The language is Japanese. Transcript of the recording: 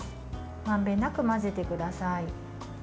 まんべんなく混ぜてください。